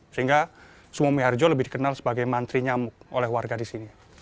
sehingga sumo miharjo lebih dikenal sebagai mantri nyamuk oleh warga di sini